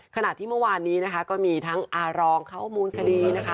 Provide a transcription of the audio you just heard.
ขณะที่เมื่อวานนี้นะคะก็มีทั้งอารองเข้ามูลคดีนะคะ